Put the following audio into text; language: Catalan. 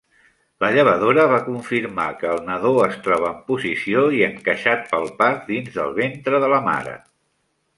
La llevadora va confirmar que el nadó es troba en posició i encaixat pel part dins del ventre de la mare.